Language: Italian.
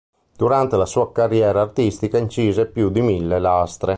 Durante la sua carriera artistica incise più di mille lastre.